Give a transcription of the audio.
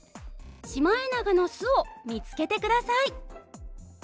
シマエナガの巣を見つけてください。